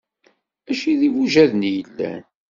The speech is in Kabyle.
Mačči d-ibujaden i yellan.